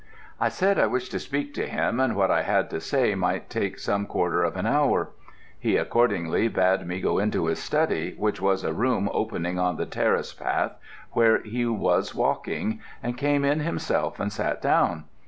"I said I wished to speak to him, and what I had to say might take some quarter of an hour. He accordingly bade me go into his study, which was a room opening on the terrace path where he was walking, and came in himself and sat down.